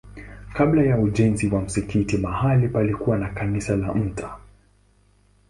Kabla ya ujenzi wa msikiti mahali palikuwa na kanisa la Mt.